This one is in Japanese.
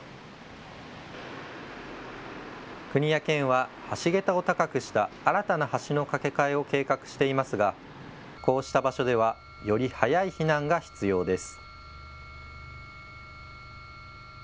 国や県は橋桁を高くした新たな橋の架け替えを計画していますがこうした場所ではより早い避難が必要です。